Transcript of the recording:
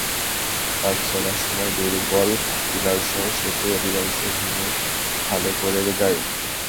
কাজ চলার সময় দুর্বল পিলারসহ সেতুর একাংশ ভেঙে খালে পড়ে যায়।